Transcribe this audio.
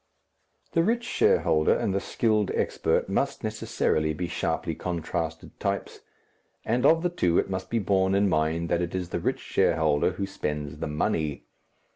The rich shareholder and the skilled expert must necessarily be sharply contrasted types, and of the two it must be borne in mind that it is the rich shareholder who spends the money.